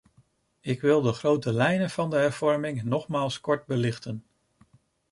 Ik wil de grote lijnen van de hervorming nogmaals kort belichten.